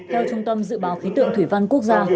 theo trung tâm dự báo khí tượng thủy văn quốc gia